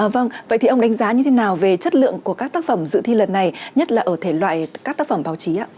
vâng vậy thì ông đánh giá như thế nào về chất lượng của các tác phẩm dự thi lần này nhất là ở thể loại các tác phẩm báo chí ạ